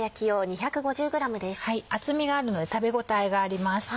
厚みがあるので食べ応えがあります。